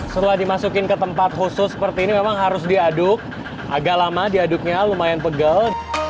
setelah dimasukin ke tempat khusus seperti ini memang harus diaduk agak lama diaduknya lumayan pegel